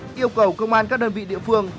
yêu cầu công an các đơn vị địa phương